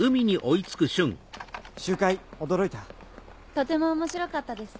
とても面白かったです